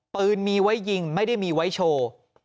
ปืนมีไว้ยิงไม่ได้มีไว้โชว์